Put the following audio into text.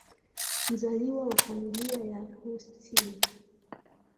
Mzaliwa wa Familia ya Bustill.